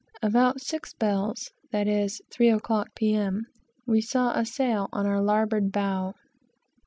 About six bells, that is, three o'clock, P.M., we saw a sail on our larboard bow.